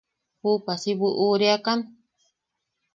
¿Juupa si buʼureakan?